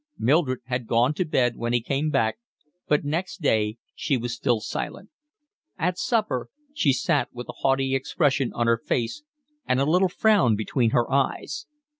Mildred had gone to bed when he came back, but next day she was still silent. At supper she sat with a haughty expression on her face and a little frown between her eyes.